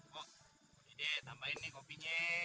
pok ini deh tambahin nih kopinya